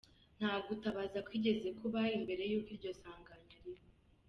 Ntagutabaza kwigeze kuba imbere y'uko iryo sanganya riba.